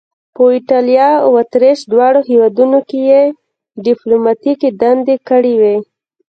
په ایټالیا او اتریش دواړو هیوادونو کې یې دیپلوماتیکې دندې کړې وې.